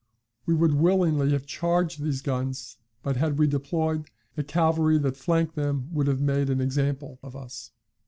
We would willingly have charged these guns, but, had we deployed, the cavalry that flanked them would have made an example of us.